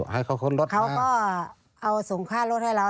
ให้เขาค้นรถเขาก็เอาส่งค่ารถให้เรา